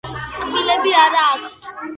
კბილები არა აქვთ.